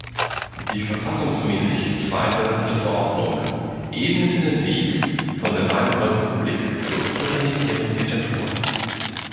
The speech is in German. Die verfassungsmäßig zweifelhafte Verordnung ebnete den Weg von der Weimarer Republik zur totalitären Diktatur.